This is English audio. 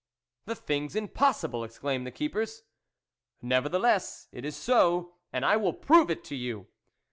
" The thing's impossible !" exclaimed the keepers. Nevertheless it is so, and I will prove it to you."